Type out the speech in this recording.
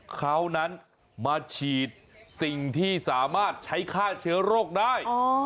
เขานั้นมาฉีดสิ่งที่สามารถใช้ฆ่าเชื้อโรคได้